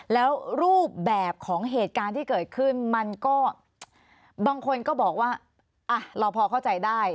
แล้วรูปแบบของเหตุการณ์ที่เกิดขึ้นมันก็บางคนก็บอกว่าเราพอเข้าใจได้